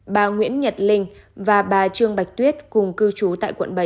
bà nguyễn nhật linh và bà trương bạch tuyết cùng cư trú tại quận bảy